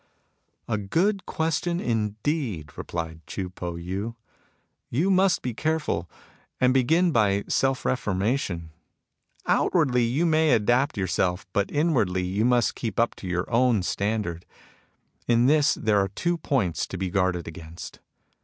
"A good question, indeed," replied Chii Po Yii ;" you must be careful, and begin by self reformation. Outwardly you may adapt your self, but inwardly you must keep up to your own standard. In this there are two points to be guarded against.